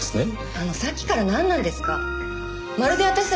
あのさっきからなんなんですか？